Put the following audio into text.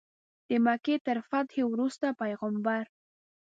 د مکې تر فتحې وروسته پیغمبر.